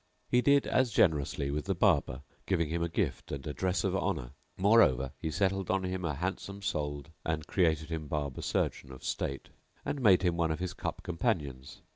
He did as generously with the Barber, giving him a gift and a dress of honour; moreover he settled on him a handsome solde and created him Barber surgeon[FN#699] of state and made him one of his cup companions.